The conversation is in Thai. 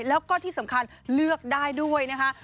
แล้วก็ที่สำคัญเลือกได้ด้วยนะคะ